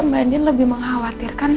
mbak handin lebih mengkhawatirkan